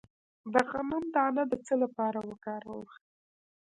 د غنم دانه د څه لپاره وکاروم؟